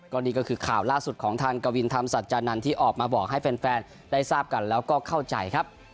ก็นี่ก็คือข่าวล่าสุดของทางกวินธรรมสัจจานันทร์ที่ออกมาบอกให้แฟนได้ทราบกันแล้วก็เข้าใจครับ